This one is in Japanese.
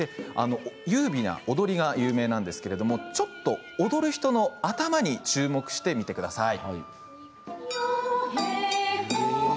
優美な踊りが有名なんですがちょっと踊る人の頭に注目してみてください。